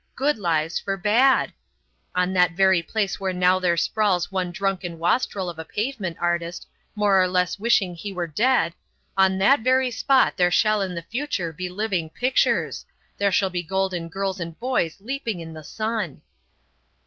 Good lives for bad! On that very place where now there sprawls one drunken wastrel of a pavement artist more or less wishing he were dead on that very spot there shall in the future be living pictures; there shall be golden girls and boys leaping in the sun."